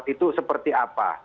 itu seperti apa